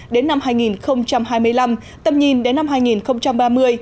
đến năm hai nghìn hai mươi năm tầm nhìn đến năm hai nghìn ba mươi